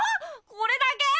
これだけ！？